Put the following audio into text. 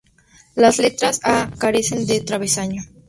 Las letras A carecen de travesaño.